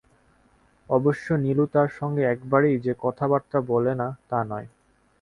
অবশ্যি নীলু তাঁর সঙ্গে একেবারেই যে কথাবার্তা বলে না, তা নয়।